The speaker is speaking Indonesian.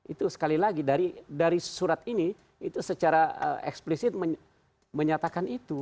itu sekali lagi dari surat ini itu secara eksplisit menyatakan itu